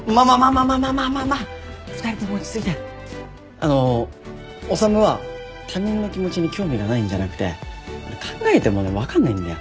あの修は他人の気持ちに興味がないんじゃなくて考えてもね分かんないんだよ。